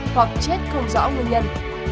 hết không rõ nguyên nhân